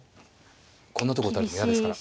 こんなとこ打たれるの嫌ですから。